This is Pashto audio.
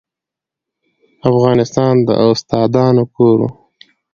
افغانستان د استادانو کور و.